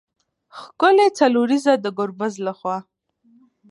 ښکې څلوريزه د ګربز له خوا